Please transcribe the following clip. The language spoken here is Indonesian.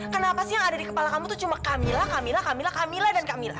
kenapa sih yang ada di kepala kamu tuh cuma kamila kamila kamila kamila dan kamila